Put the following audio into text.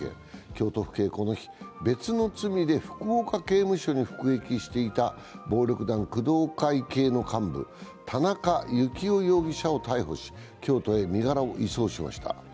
京都府警はこの日、別の罪で福岡刑務所に服役していた暴力団工藤会系の幹部、田中幸雄容疑者を逮捕し、京都へ身柄を移送しました。